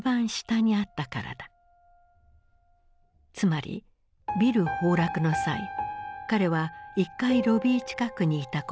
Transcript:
つまりビル崩落の際彼は１階ロビー近くにいたことになる。